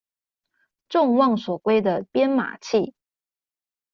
眾望所歸的編碼器